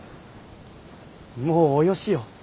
もうおよしよ。